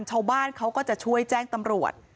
ชาวบ้านเขาก็จะช่วยแจ้งตำรวจ